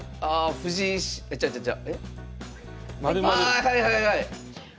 ああはいはいはい！